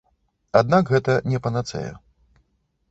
Аднак гэта не панацэя.